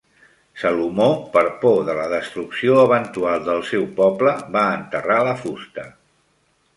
Salomó, per por de la destrucció eventual del seu poble, va enterrar la fusta.